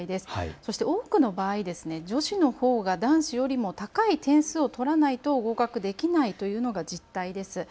そして多くの場合、女子のほうが男子よりも高い点数を取らないと合格できないというのが実態です。